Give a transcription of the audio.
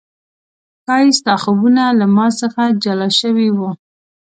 ښايي ستا خوبونه له ما څخه جلا شوي و